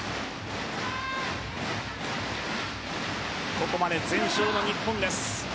ここまで全勝の日本です。